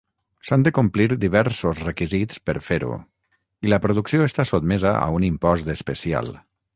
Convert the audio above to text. S'han de complir diversos requisits per fer-ho i la producció està sotmesa a un impost especial.